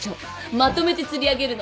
まとめて釣り上げるの。